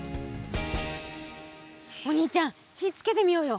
お兄ちゃん火つけてみようよ。